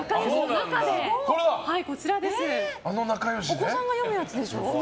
お子さんが読むやつでしょ？